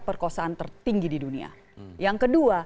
perkosaan tertinggi di dunia yang kedua